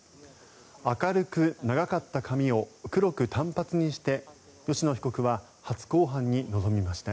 明るく長かった髪を黒く短髪にして吉野被告は初公判に臨みました。